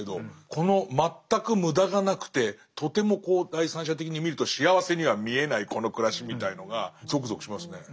この全く無駄がなくてとても第三者的に見ると幸せには見えないこの暮らしみたいのがゾクゾクしますね。